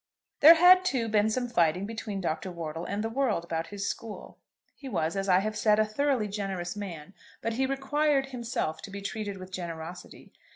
There had, too, been some fighting between Dr. Wortle and the world about his school. He was, as I have said, a thoroughly generous man, but he required, himself, to be treated with generosity.